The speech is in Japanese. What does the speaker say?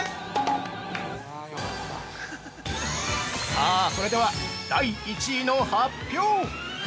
◆さあ、それでは、第１位の発表！